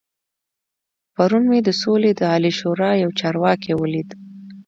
پرون مې د سولې د عالي شورا يو چارواکی ولید.